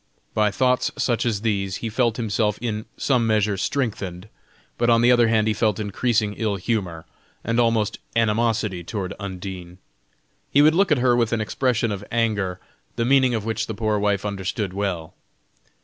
By thoughts such as these, he felt himself in some measure strengthened, but on the other hand, he felt increasing ill humor, and almost animosity toward Undine. He would look at her with an expression of anger, the meaning of which the poor wife understood well.